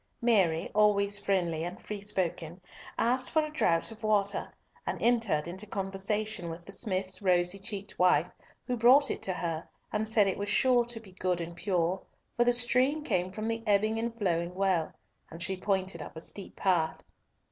Mary, always friendly and free spoken, asked for a draught of water, and entered into conversation with the smith's rosy cheeked wife who brought it to her, and said it was sure to be good and pure for the stream came from the Ebbing and Flowing Well, and she pointed up a steep path.